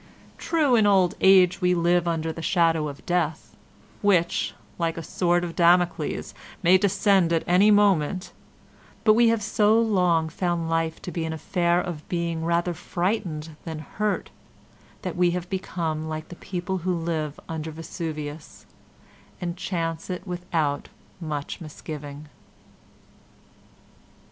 True, in old age we live under the shadow of Death, which, like a sword of Damocles, may descend at any moment, but we have so long found life to be an affair of being rather frightened than hurt that we have become like the people who live under Vesuvius, and chance it without much misgiving.